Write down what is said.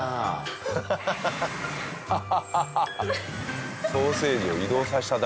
ハハハハッ。